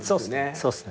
そうっすね。